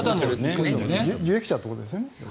受益者ということですね。